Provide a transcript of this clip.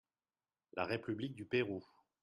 La République du Pérou.